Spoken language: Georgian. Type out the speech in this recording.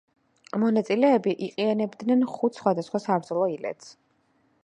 მონაწილეები იყენებდნენ ხუთ სხვადასხვა საბრძოლო ილეთს.